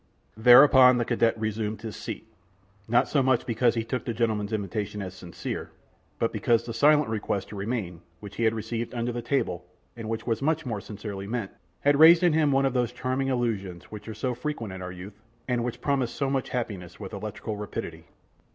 Thereupon the cadet resumed his seat, not so much because he took the gentleman's invitation as sincere, but because the silent request to remain, which he had received under the table, and which was much more sincerely meant, had raised in him one of those charming illusions, which are so frequent in our youth, and which promised so much happiness, with electrical rapidity.